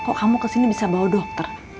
kok kamu kesini bisa bawa dokter